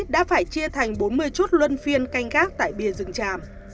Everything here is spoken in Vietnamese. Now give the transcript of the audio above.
đã phải chia thành bốn mươi chốt luân phiên canh gác tại bìa rừng tràm